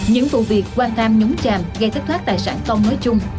những vụ việc quan tham nhúng chàm gây thất thoát tài sản công nói chung